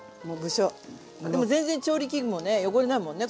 でも全然調理器具もね汚れないもんね